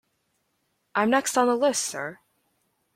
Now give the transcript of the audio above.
I'm next on the list, sir.